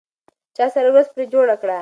چا سره ورځ پرې جوړه کړه؟